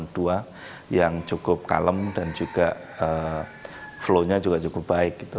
dua yang cukup kalem dan juga flow nya juga cukup baik gitu